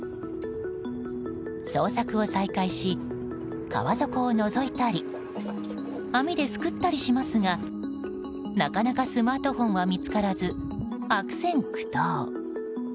捜索を再開し、川底をのぞいたり網ですくったりしますがなかなかスマートフォンは見つからず、悪戦苦闘。